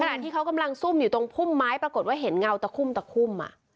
ขณะที่เขากำลังซุ่มอยู่ตรงพุ่มไม้ปรากฏว่าเห็นเงาตะคุ่มตะคุ่ม